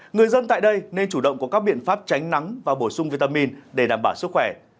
người dân tại đây nên chủ động có các biện pháp tránh nắng và bổ sung vitamin để đảm bảo sức khỏe